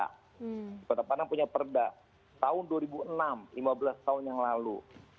kota padang punya perda tahun dua ribu enam lima belas tahun yang lalu